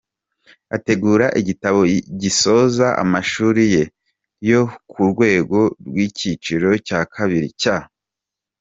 ategura igitabo gisoza amashuri ye yo ku rwego rwikiciro cya kabiri cya.